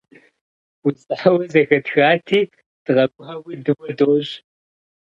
УлӀауэ зэхэтхати, дыкъэкӀуауэ дыуэ дощӀ.